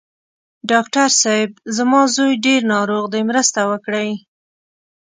ډاکټر صېب! زما زوی ډېر ناروغ دی، مرسته وکړئ.